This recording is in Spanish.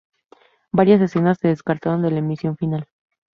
Varias escenas se descartaron de la emisión final.